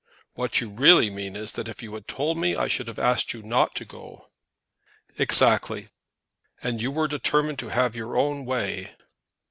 "What you really mean is, that if you had told me I should have asked you not to go." "Exactly." "And you were determined to have your own way."